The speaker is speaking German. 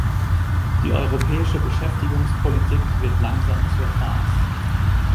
Die europäische Beschäftigungspolitik wird langsam zur Farce.